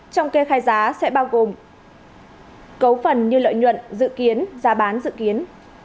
trong kê khai giá sẽ bao gồm cấu phần như lợi nhuận dự kiến giá bán dự kiến